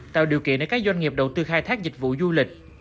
tạo điều kiện để các doanh nghiệp đầu tư khai thác dịch vụ du lịch